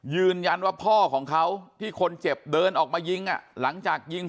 ยืนยันว่าพ่อของเขาที่คนเจ็บเดินออกมายิงอ่ะหลังจากยิง